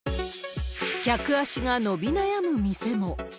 客足が伸び悩む店も。